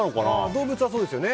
動物はそうですよね。